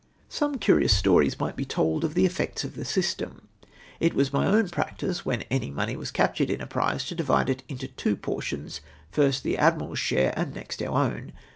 Some curious stories mio ht be told of the effect of o the system. It was my own practice, when any money ^vas captured in a prize, to divide it into two portions, first, the Admiral's share, and next our own.